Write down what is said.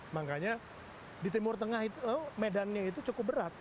makanya di timur tengah itu medannya itu cukup berat